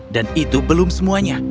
dan itu belum semuanya